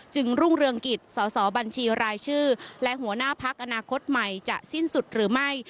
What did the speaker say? รุ่งเรืองกิจสอสอบัญชีรายชื่อและหัวหน้าพักอนาคตใหม่จะสิ้นสุดหรือไม่